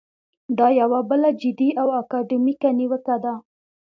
دا یوه بله جدي او اکاډمیکه نیوکه ده.